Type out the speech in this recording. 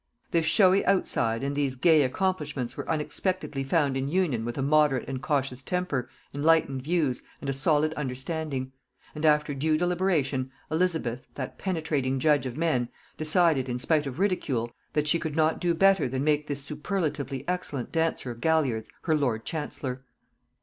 This showy outside and these gay accomplishments were unexpectedly found in union with a moderate and cautious temper, enlightened views, and a solid understanding; and after due deliberation, Elizabeth, that penetrating judge of men, decided, in spite of ridicule, that she could not do better than make this superlatively excellent dancer of galliards her lord chancellor.